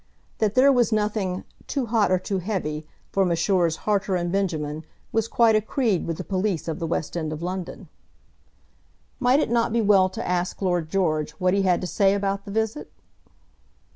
That there was nothing "too hot or too heavy" for Messrs. Harter and Benjamin was quite a creed with the police of the west end of London. Might it not be well to ask Lord George what he had to say about the visit?